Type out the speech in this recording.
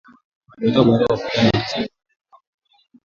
Walitoa barua kwa upinzani wakisema wanahitaji muda wa kujiandaa